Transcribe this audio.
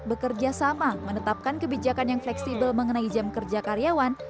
bekerja sama menetapkan kebijakan yang fleksibel mengenai jam kerja karyawan